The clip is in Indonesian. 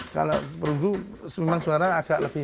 kalau perunggu memang suara agak lebih